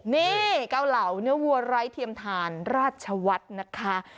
นี่เกาเหลาเนื้อวัวไร้เทียมทานราชวัฒน์นะคะ